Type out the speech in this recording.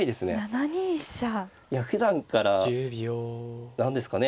７二飛車。ふだんから何ですかね